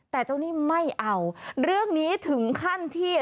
แต่เจ้าหนี้ไม่เอาเรื่องนี้ถึงขั้นที่